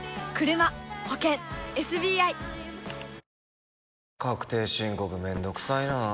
Ｎｏ．１確定申告めんどくさいな。